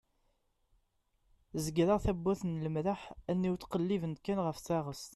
zegreɣ tawwurt n lemraḥ allen-iw ttqellibent kan ɣef teɣtest